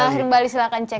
lahir kembali silahkan cek